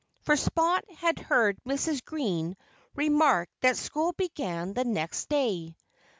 For Spot had heard Mrs. Green remark that school began the next day.